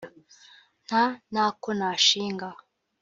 nta n’ako nashinga